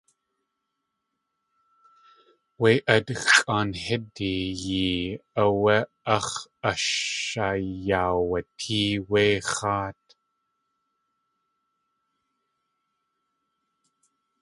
Wé atxʼaan hídi yee áwé áx̲ ashayaawatée wé x̲áat.